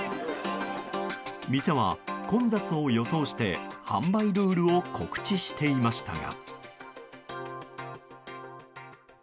店は混雑を予想して販売ルールを告知していましたが。